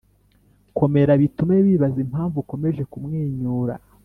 komera. bitume bibaza impamvu ukomeje kumwenyura.